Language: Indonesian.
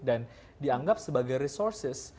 dan dianggap sebagai resources